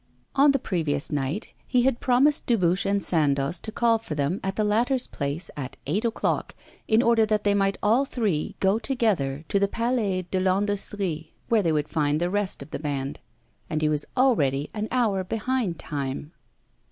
On the previous night he had promised Dubuche and Sandoz to call for them at the latter's place at eight o'clock, in order that they might all three go together to the Palais de l'Industrie, where they would find the rest of the band. And he was already an hour behind time.